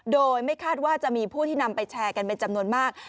โดยไม่คาดว่าจะมีผู้ที่นำไปแชร์กันเป็นจำนวนมาก